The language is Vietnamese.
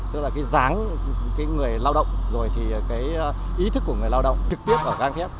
tức là cái dáng người lao động rồi thì cái ý thức của người lao động trực tiếp ở găng thép